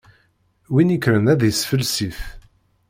Win ikkren ad isfelsif.